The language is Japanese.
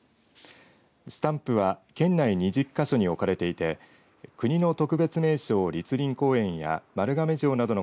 スタンプは県内２０か所に置かれていて国の特別名勝、栗林公園や丸亀城などの